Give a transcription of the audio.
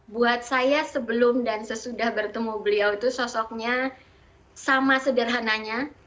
buat saya sebelum dan sesudah bertemu beliau itu sosoknya sama sederhananya